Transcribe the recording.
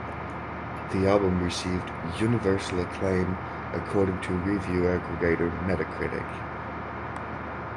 The album received "universal acclaim" according to review aggregator Metacritic.